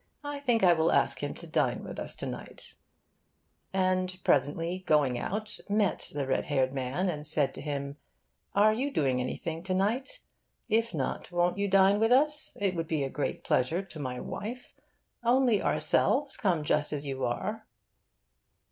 I think I will ask him to dine with us to night,' and, presently going out, met the red haired man and said to him, 'Are you doing anything to night? If not, won't you dine with us? It would be a great pleasure to my wife. Only ourselves. Come just as you are.